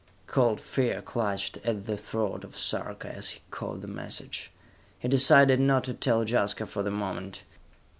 Cold fear clutched at the throat of Sarka as he caught the message. He decided not to tell Jaska for the moment.